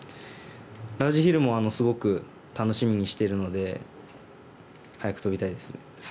ラージヒルもすごく楽しみにしているので早く飛びたいです。